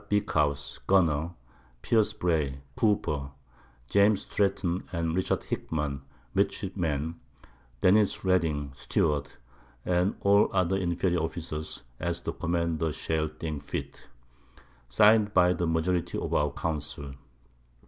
Beakhouse Gunner, Peirce Bray Cooper, James Stretton and Richard Hickman Midshipmen, Denis Reading Steward, and all other inferior Officers, as the Commanders shall think fit. Sign'd by the Majority of our Council.